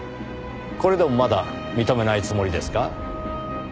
これでもまだ認めないつもりですか？